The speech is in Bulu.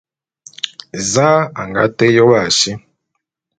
Za a nga té yôp a si?